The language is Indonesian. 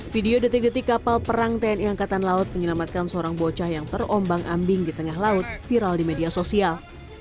video detik detik kapal perang tni angkatan laut menyelamatkan seorang bocah yang terombang ambing di tengah laut viral di media sosial